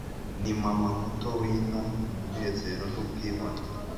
ni mama muto w'inka, umunezero n'ubwibone